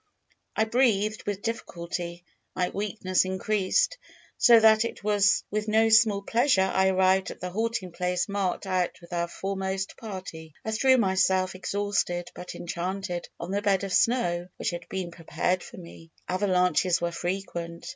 I breathed with difficulty, my weakness increased, so that it was with no small pleasure I arrived at the halting place marked out by our foremost party. I threw myself, exhausted, but enchanted, on the bed of snow which had been prepared for me. Avalanches were frequent.